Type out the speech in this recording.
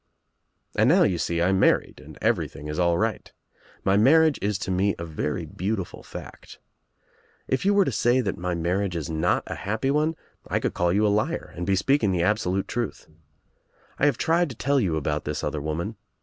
"And now you see I am married and everything is all right. My marriage is to me a very beautiful fact. If you were to say that my marriage is not a happy one I could call you a liar and be speaking the absolute truth. 1 have tried to tell you about this other woman.